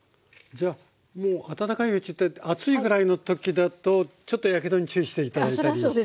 じゃあもう温かいうちって熱いぐらいの時だとちょっとやけどに注意して頂いたりしてね。